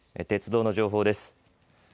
鉄道の情報です。